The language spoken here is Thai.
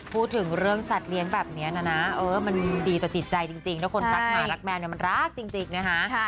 พูดถึงเรื่องสัตว์เลี้ยงแบบนี้นะนะมันดีต่อจิตใจจริงถ้าคนรักหมารักแมวเนี่ยมันรักจริงนะคะ